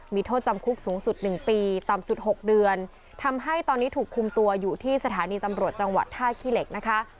มีโทษจำคุกสูงสุดหนึ่งปีต่ำสุด๖เดือนทำให้ตอนนี้ถูกคุมตัวอยู่ที่สถานีตำรวจจังหวัดท่าขี้เหล็กนะคะ